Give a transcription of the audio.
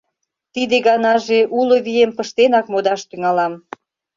Тиде ганаже уло вием пыштенак модаш тӱҥалам.